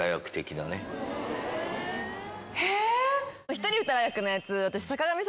１人２役のやつ私。